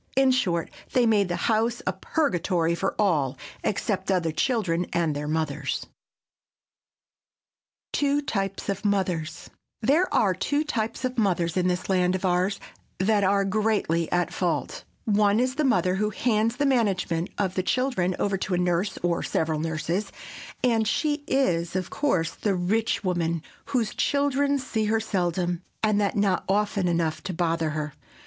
In short, they made the house a purgatory for all except other children and their mothers. [Sidenote: TWO TYPES OF MOTHERS] There are two types of mothers in this land of ours that are greatly at fault. One is the mother who hands the management of the children over to a nurse or several nurses, and she is, of course, the rich woman whose children see her seldom, and that not often enough to bother her.